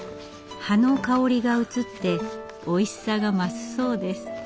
葉の香りが移っておいしさが増すそうです。